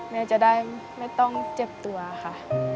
แม่จะได้ไม่ต้องเจ็บตัวค่ะ